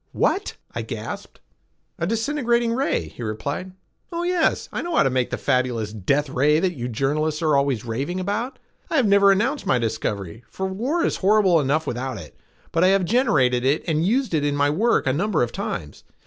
"What?" I gasped. "A disintegrating ray," he replied. "Oh yes, I know how to make the fabulous 'death ray' that you journalists are always raving about. I have never announced my discovery, for war is horrible enough without it, but I have generated it and used it in my work a number of times.